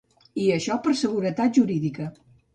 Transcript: I això per seguretat jurídica.